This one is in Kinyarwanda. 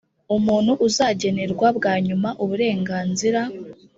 umuntu uzagenerwa bwa nyuma uburenganzira